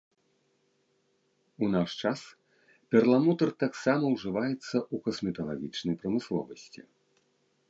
У наш час перламутр таксама ўжываецца ў касметалагічнай прамысловасці.